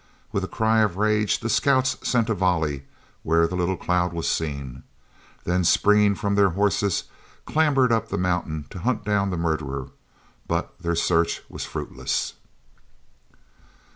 With a cry of rage the scouts sent a volley where the little cloud was seen, then springing from their horses, clambered up the mountain to hunt down the murderer; but their search was fruitless.